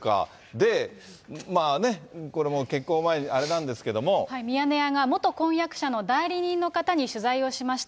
で、まあね、これも結婚前にあれミヤネ屋が元婚約者の代理人の方に取材をしました。